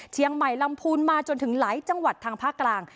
ลำพูนมาจนถึงหลายจังหวัดทางภาคกลาง